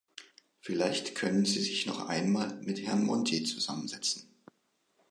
Vielleicht können Sie sich noch einmal mit Herrn Monti zusammensetzen.